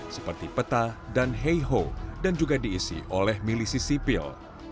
seperti peta dan heiho dan juga diisi oleh milisi sipil